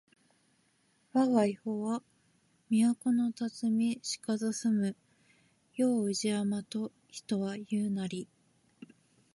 わが庵は都のたつみしかぞ住む世を宇治山と人は言ふなり